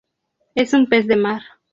Es un pez de mar.